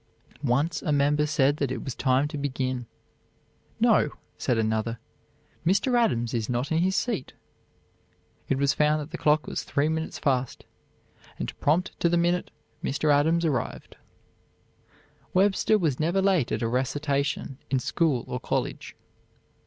Once a member said that it was time to begin. "No," said another, "Mr. Adams is not in his seat." It was found that the clock was three minutes fast, and prompt to the minute, Mr. Adams arrived. Webster was never late at a recitation in school or college.